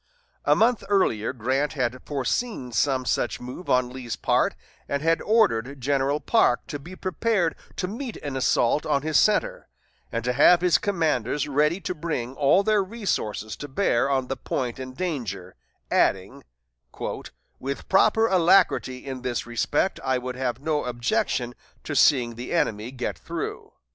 A month earlier Grant had foreseen some such move on Lee's part, and had ordered General Parke to be prepared to meet an assault on his center, and to have his commanders ready to bring all their resources to bear on the point in danger, adding: "With proper alacrity in this respect I would have no objection to seeing the enemy get through."